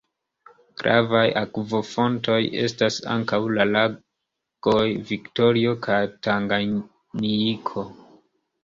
Gravaj akvofontoj estas ankaŭ la lagoj Viktorio kaj Tanganjiko.